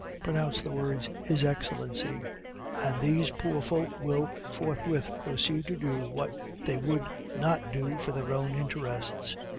Pronounce the words "His Excellency," and these poor folk will forthwith proceed to do what they would not do for their own interests.